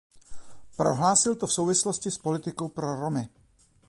Prohlásil to v souvislosti s politikou pro Romy.